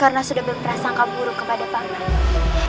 karena sudah belum merasa kamu buruk kepada bang man